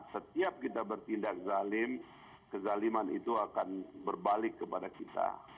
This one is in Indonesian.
setiap kita bertindak zalim kezaliman itu akan berbalik kepada kita